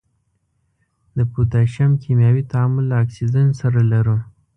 د پوتاشیم کیمیاوي تعامل له اکسیجن سره لرو.